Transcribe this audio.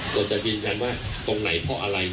ต้องรู้กันว่าตรงไหนคนอะไร